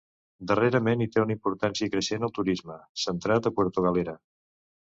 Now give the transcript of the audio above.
Darrerament hi té una importància creixent el turisme, centrat a Puerto Galera.